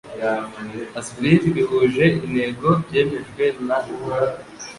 asbl bihuje intego byemejwe na